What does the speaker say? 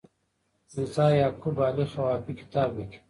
میرزا یعقوب علي خوافي کتاب لیکي.